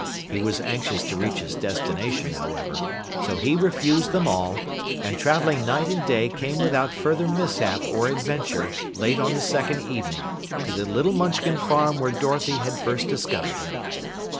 He was anxious to reach his destination, however, so he refused them all, and traveling night and day came without further mishap or adventure late on the second evening to the little Munchkin farm where Dorothy had first discovered him.